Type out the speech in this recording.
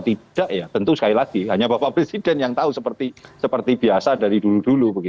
tidak ya tentu sekali lagi hanya bapak presiden yang tahu seperti biasa dari dulu dulu